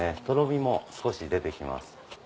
とろみも少し出てきます。